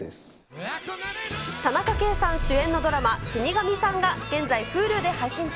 田中圭さん主演のドラマ、死神さんが現在、Ｈｕｌｕで配信中。